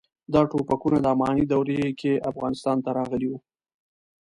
دا ټوپکونه د اماني دورې کې افغانستان ته راغلي وو.